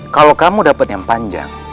kalau kamu dapat yang panjang